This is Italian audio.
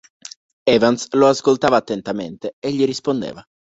Evans lo ascoltava attentamente e gli rispondeva.